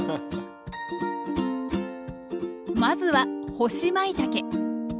まずは干しまいたけ。